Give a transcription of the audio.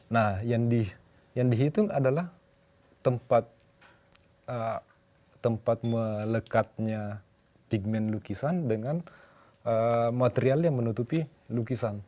nah yang dihitung adalah tempat melekatnya pigment lukisan dengan material yang menutupi lukisan